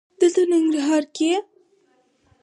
دته د ننګرهار یې؟